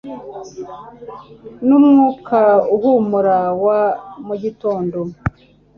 numwuka uhumura wa mugitondo